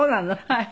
はい。